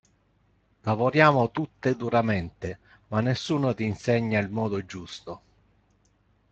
Lavoriamo tutte duramente, ma nessuno ti insegna il modo giusto.